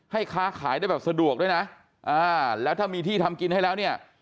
ค้าขายได้แบบสะดวกด้วยนะแล้วถ้ามีที่ทำกินให้แล้วเนี่ย